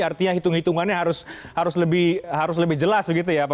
artinya hitung hitungannya harus lebih jelas